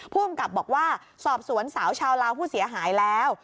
ผู้กำกับบอกว่าสอบสวนสาวชาวลาวผู้เสียหายแล้ว